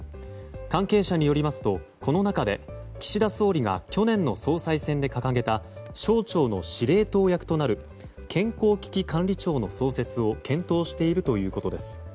関係者によりますとこの中で、岸田総理が去年の総裁選で掲げた省庁の司令塔役となる健康危機管理庁の創設を検討しているということです。